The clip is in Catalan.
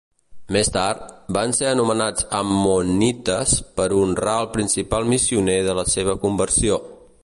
Més tard, van ser anomenats ammonites per honrar el principal missioner de la seva conversió.